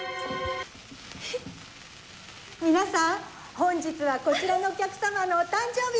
皆さん本日はこちらのお客様のお誕生日です。